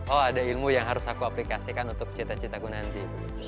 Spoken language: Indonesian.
oh ada ilmu yang harus aku aplikasikan untuk cita citaku nanti